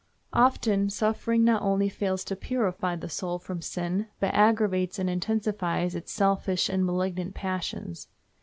Often suffering not only fails to purify the soul from sin, but aggravates and intensifies its selfish and malignant passions.